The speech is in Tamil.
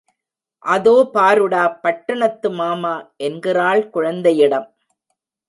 அதோ பாருடா பட்டணத்து மாமா! என்கிறாள் குழந்தையிடம்.